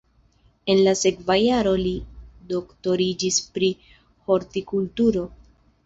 En la sekva jaro li doktoriĝis pri hortikulturo.